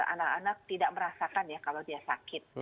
anak anak tidak merasakan ya kalau dia sakit